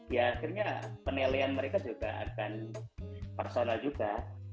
ya akhirnya penilaian mereka juga akan personal juga